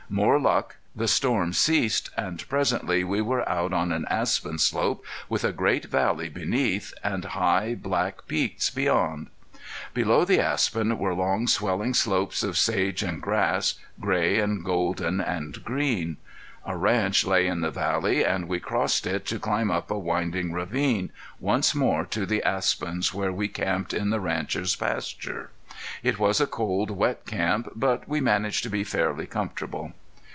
More luck the storm ceased, and presently we were out on an aspen slope with a great valley beneath, and high, black peaks beyond. Below the aspens were long swelling slopes of sage and grass, gray and golden and green. A ranch lay in the valley, and we crossed it to climb up a winding ravine, once more to the aspens where we camped in the rancher's pasture. It was a cold, wet camp, but we managed to be fairly comfortable.